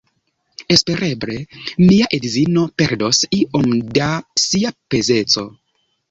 Espereble, mia edzino perdos iom da sia pezeco